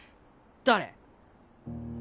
誰？